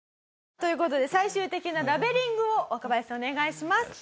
という事で最終的なラベリングを若林さんお願いします。